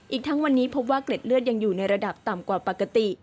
อีกทั้งวันนี้พบว่าเกล็ดเลือดยังอยู่ในระดับต่ำกว่าปกติ